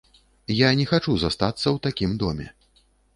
Я не хачу застацца ў такім доме.